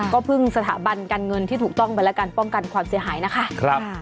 ก็พึ่งสถาบันการเงินที่ถูกต้องไปแล้วกันป้องกันความเสียหายนะคะ